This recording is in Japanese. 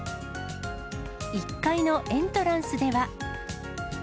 １階のエントランスでは。